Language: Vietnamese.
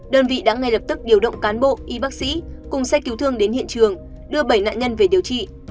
đơn vị đã ngay lập tức điều động cán bộ y bác sĩ cùng xe cứu thương đến hiện trường đưa bảy nạn nhân về điều trị